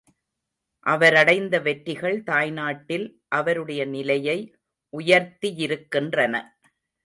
அவரடைந்த வெற்றிகள் தாய்நாட்டில், அவருடைய நிலையை உயர்த்தியிருக்கின்றன.